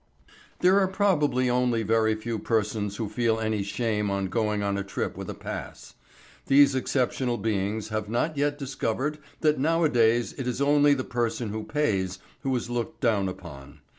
There are probably only very few persons who feel any shame on going on a trip with a pass. These exceptional beings have not yet discovered that nowadays it is only the person who pays who is looked down upon.